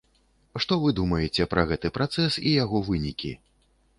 Што вы думаеце пра гэты працэс і яго вынікі?